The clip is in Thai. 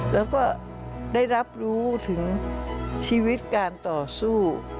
แล้วก็ได้รับรู้ถึงชีวิตการต่อสู้